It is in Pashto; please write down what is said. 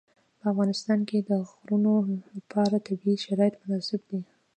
په افغانستان کې د غرونه لپاره طبیعي شرایط مناسب دي.